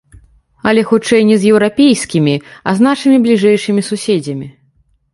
Але хутчэй не з еўрапейскімі, а з нашымі бліжэйшымі суседзямі.